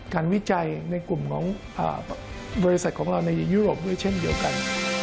วิจัยในกลุ่มของบริษัทของเราในยุโรปด้วยเช่นเดียวกัน